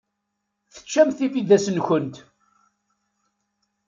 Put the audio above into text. Teččamt tibidas-nkent?